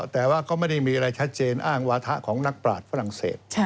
แต่ว่าก็ไม่ได้มีอะไรชัดเจนอ้างวาถะของนักปราศฝรั่งเศส